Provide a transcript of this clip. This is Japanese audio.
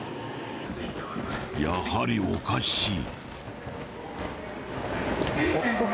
やはりおかしい。